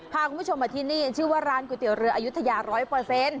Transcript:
พาคุณผู้ชมมาที่นี่ชื่อว่าร้านก๋วยเตี๋ยวเรืออายุทยาร้อยเปอร์เซ็นต์